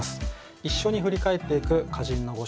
一緒に振り返っていく歌人のご紹介です。